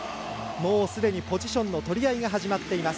もうすでにポジションのとり合いが始まっています。